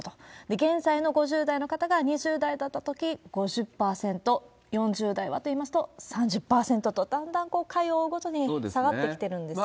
現在の５０代の方が２０代だったとき５０％、４０代はといいますと、３０％と、だんだん回を追うごとに下がってきてるんですよね。